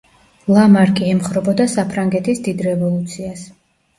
ლამარკი ემხრობოდა საფრანგეთის დიდ რევოლუციას.